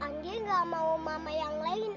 anggi gak mau mama yang lain